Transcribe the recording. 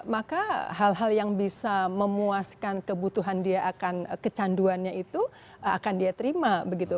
maka hal hal yang bisa memuaskan kebutuhan dia akan kecanduannya itu akan dia terima begitu